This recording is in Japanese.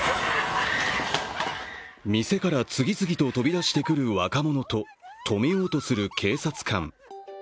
店から次々と飛び出してくる若者と、止めようとする警察官。